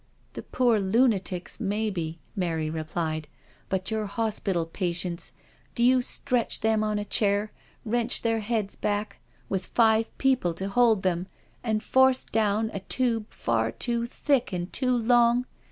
" The poor lunatics, maybe," Mary replied, " but your hospital patients, do you stretch them on a chair, wrench their heads back, with five people to hold them, and force down a tube far too thick and too long?